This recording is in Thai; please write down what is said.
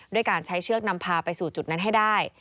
ด้วยการใช้เชือกนำพาไปสู่จุดนั้นให้ได้